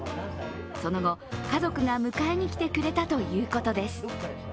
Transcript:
その後、家族が迎えに来てくれたということです。